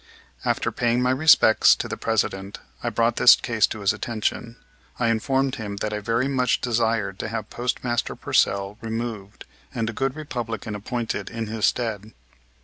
After paying my respects to the President I brought this case to his attention. I informed him that I very much desired to have Postmaster Pursell removed, and a good Republican appointed in his stead.